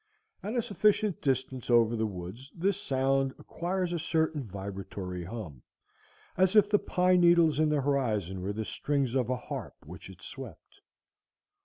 At a sufficient distance over the woods this sound acquires a certain vibratory hum, as if the pine needles in the horizon were the strings of a harp which it swept.